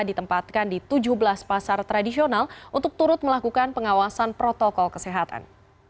ditempatkan di tujuh belas pasar tradisional untuk turut melakukan pengawasan protokol kesehatan